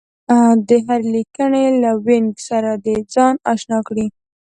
د هرې لیکبڼې له وينګ سره دې ځان اشنا کړي